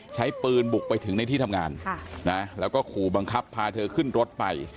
ใช้ปืนบุกไปถึงในที่ทำงานแล้วก็ขู่บังคับพาเธอขึ้นรถไป